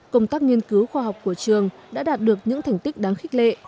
công tác nghiên cứu khoa học của trường đã đạt được những thành tích đáng khích lệ